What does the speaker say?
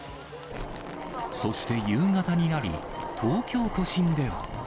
そして夕方になり、東京都心では。